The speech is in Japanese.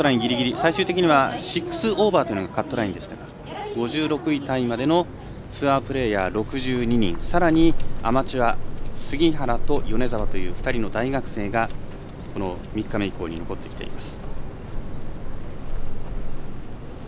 最終的には６オーバーというのがカットラインでしたが５６位タイまでのツアープレーヤーさらにアマチュア杉原と米澤という２人の大学生がこの３日目以降に残ってきています。